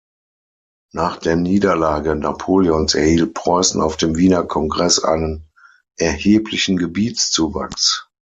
Nach der Niederlage Napoleons erhielt Preußen auf dem Wiener Kongreß einen erheblichen Gebietszuwachs.